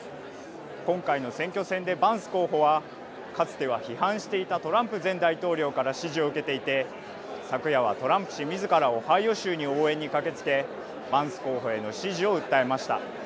今回の選挙戦でバンス候補はかつては批判していたトランプ前大統領から支持を受けていて昨夜はトランプ氏みずからオハイオ州に応援に駆けつけバンス候補への支持を訴えました。